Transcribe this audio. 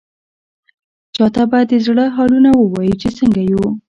چا ته به د زړه حالونه ووايو، چې څنګه يو؟!